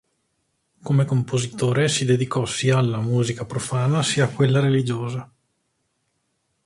Come compositore si dedicò sia alla musica profana sia a quella religiosa.